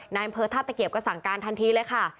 อำเภอท่าตะเกียบก็สั่งการทันทีเลยค่ะ